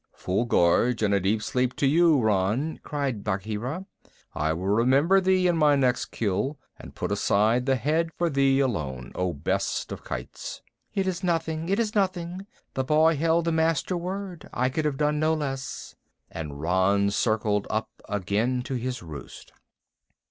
"Full gorge and a deep sleep to you, Rann," cried Bagheera. "I will remember thee in my next kill, and put aside the head for thee alone, O best of kites!" "It is nothing. It is nothing. The boy held the Master Word. I could have done no less," and Rann circled up again to his roost.